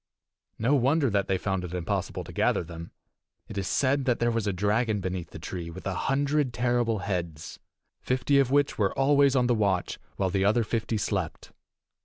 No wonder that they found it impossible to gather them! It is said that there was a dragon beneath the tree with a hundred terrible heads, fifty of which were always on the watch while the other fifty slept.